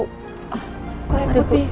kau air putih